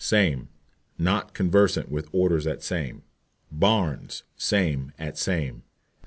SAME. Not conversant with orders at same. BARNES. Same at same.